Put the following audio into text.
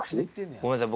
ごめんなさい。